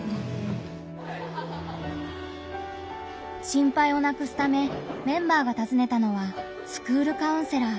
心配をなくすためメンバーがたずねたのはスクールカウンセラー。